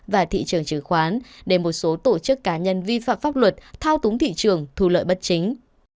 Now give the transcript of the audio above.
và thị trường chứng khoán để một số tổ chức cá nhân vi phạm pháp luật thao túng thị trường thu lợi bất chính